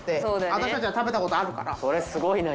私たちは食べたことあるから。